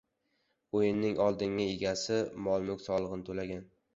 Uyning oldingi egasi mol-mulk soligʻini toʻlagan.